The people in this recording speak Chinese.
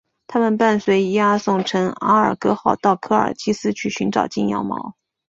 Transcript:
他们伴随伊阿宋乘阿尔戈号到科尔基斯去寻找金羊毛。